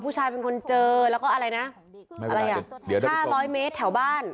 ผู้ชายเป็นคนเจอแล้วก็อะไรนะอะไรอ่ะเดี๋ยว๕๐๐เมตรแถวบ้าน